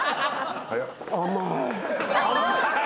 甘い。